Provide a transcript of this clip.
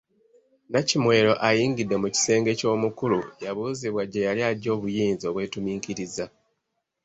Nnakimwero ayingidde mu kisenge ky’omukulu yabuuzibwa gye yali aggye obuyinza obwetuminkiriza.